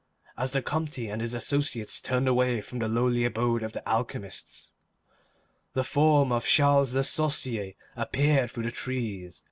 As the Comte and his associates turned away from the lowly abode of the alchemists, the form of Charles Le Sorcier appeared through the trees.